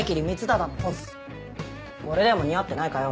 これでも似合ってないかよ？